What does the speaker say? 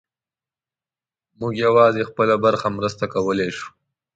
موږ یوازې خپله برخه مرسته کولی شو.